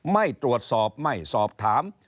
ไม่ตรวจสอบไม่สอบถาม